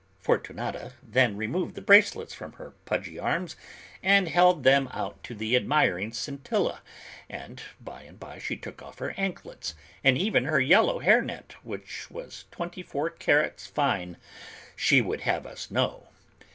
Fortunata then removed the bracelets from her pudgy arms and held them out to the admiring Scintilla, and by and by she took off her anklets and even her yellow hair net, which was twenty four carats fine, she would have us know!